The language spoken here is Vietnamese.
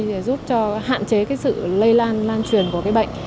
để giúp cho hạn chế cái sự lây lan lan truyền của cái bệnh